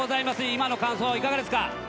今の感想はいかがですか？